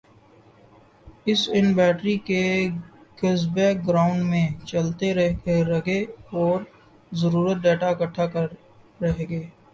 اس ان بیٹری کے گز بیک گراؤنڈ میں چلتے ر گے اور ضروری ڈیٹا اکھٹا کر ر گے